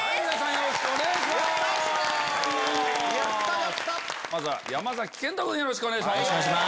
よろしくお願いします。